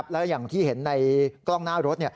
แล้วอย่างที่เห็นในกล้องหน้ารถ